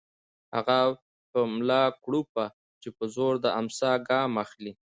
هغه په ملا کړوپه چې په زور د امساء ګام اخلي